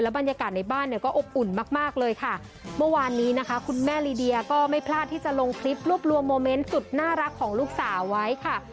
บรรยากาศในบ้านเนี่ยก็อบอุ่นมากมากเลยค่ะเมื่อวานนี้นะคะคุณแม่ลีเดียก็ไม่พลาดที่จะลงคลิปรวบรวมโมเมนต์สุดน่ารักของลูกสาวไว้ค่ะ